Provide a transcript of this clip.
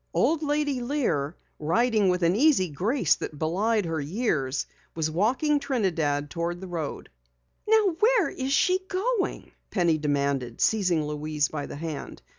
Old Lady Lear, riding with an easy grace that belied her years, was walking Trinidad toward the road. "Now where's she going?" Penny demanded, seizing Louise by the hand.